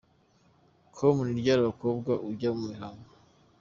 com: Ni ryari umukobwa ajya mu mihango?.